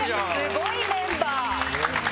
スゴいメンバー！